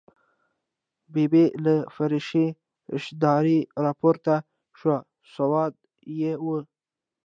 ببۍ له فرشي اشدارې راپورته شوه، سودا یې وه.